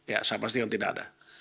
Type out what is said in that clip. ya saya pastikan tidak ada